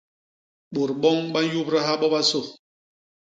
Bôt boñ ba nyubdaha bobasô.